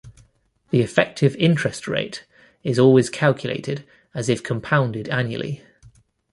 The effective interest rate is always calculated as if compounded annually.